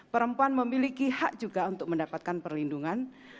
perempuan memiliki hak juga untuk mendapatkan perlindungan